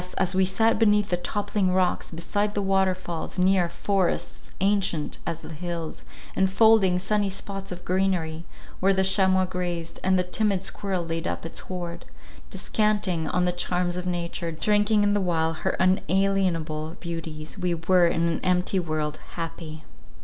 as we sat beneath the toppling rocks, beside the waterfalls, near —Forests, ancient as the hills, And folding sunny spots of greenery, where the chamois grazed, and the timid squirrel laid up its hoard—descanting on the charms of nature, drinking in the while her unalienable beauties—we were, in an empty world, happy.